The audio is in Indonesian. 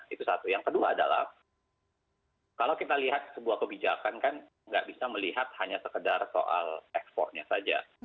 itu satu yang kedua adalah kalau kita lihat sebuah kebijakan kan nggak bisa melihat hanya sekedar soal ekspornya saja